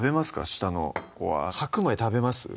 下の子は白米食べます？